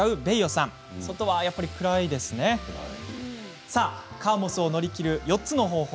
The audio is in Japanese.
さあ、カーモスを乗り切る４つの方法